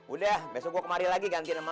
udah besok gua kemari lagi gantiin sama lu